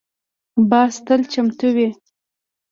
باز تل چمتو وي